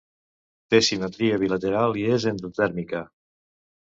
Té simetria bilateral i és endotèrmica.